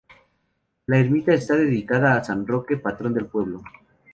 La ermita está dedicada a San Roque, patrón del pueblo.